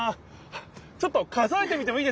ちょっと数えてみてもいいですか？